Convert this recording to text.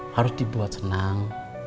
harus dibuat senang